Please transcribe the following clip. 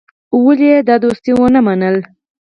ولي يې دا دوستي ونه منله.